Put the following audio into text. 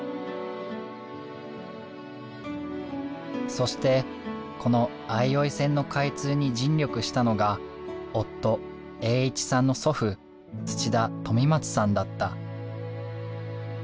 そしてこの相生線の開通に尽力したのが夫栄一さんの祖父土田富松さんだった。